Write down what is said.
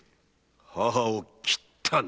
義母を斬ったな？